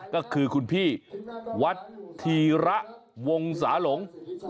ก็คือคุณพี่วัดธีระวงศาหลง